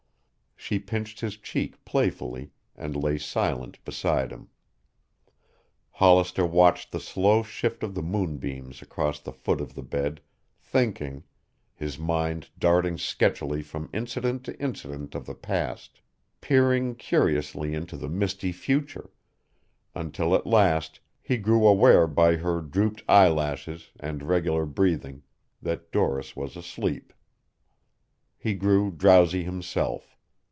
She pinched his cheek playfully and lay silent beside him. Hollister watched the slow shift of the moonbeams across the foot of the bed, thinking, his mind darting sketchily from incident to incident of the past, peering curiously into the misty future, until at last he grew aware by her drooped eyelashes and regular breathing that Doris was asleep. He grew drowsy himself.